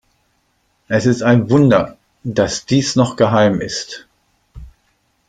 Es ist ein Wunder, dass dies noch geheim ist.